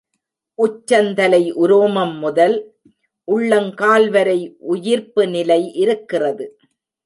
உச்சந்தலை உரோமம் முதல், உள்ளங் கால் வரை உயிர்ப்பு நிலை இருக்கிறது.